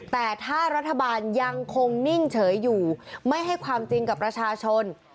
แต่ถ้ารัฐบาลยังคงนิ่งเฉยอยู่ไม่ให้ความจริงกับประชาชน